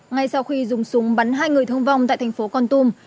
ngay sau khi dùng súng bắn hai người thương vong tại thành phố con tum